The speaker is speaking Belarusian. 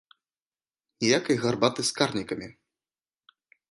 Ніякай гарбаты з карнікамі!